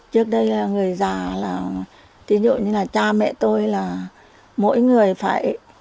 trước đây là người già là ví dụ như là cha mẹ tôi là mỗi người phải